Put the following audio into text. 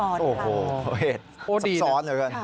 โอ้โฮสับซ้อนเหรอครับ